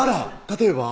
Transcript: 例えば？